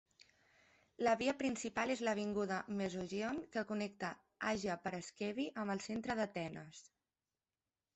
La via principal és l'avinguda Mesogeion, que connecta Agia Paraskevi amb el centre d'Atenes.